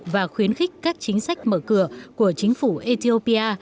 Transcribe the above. và khuyến khích các chính sách mở cửa của chính phủ ethiopia